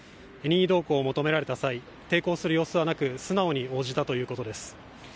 任意同行を求められた際、抵抗する様子はなく、素直に応じたということです。